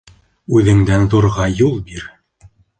Үҙендән ҙурға юл бир.